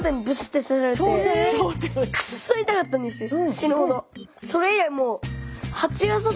死ぬほど。